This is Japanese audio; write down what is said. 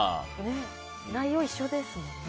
内容一緒ですよね。